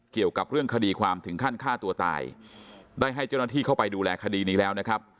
เกี่ยวกับเรื่องคดีความถึงขั้นฆ่าตัวตายได้ให้เจ้าหน้าที่เข้าไปดูแลคดีนี้แล้วนะครับ